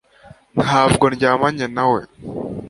Ntabwo ndyamanye nawe